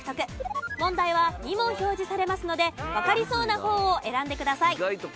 問題は２問表示されますのでわかりそうな方を選んでください。